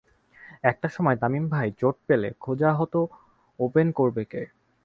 একটা সময় তামিম ভাই চোট পেলে খোঁজা হতো ওপেন করবে কে।